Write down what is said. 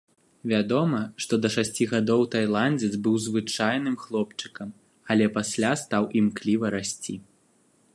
Вядома, што да шасці гадоў тайландзец быў звычайным хлопчыкам, але пасля стаў імкліва расці.